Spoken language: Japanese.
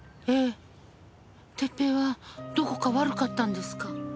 えっ哲平はどこか悪かったんですか？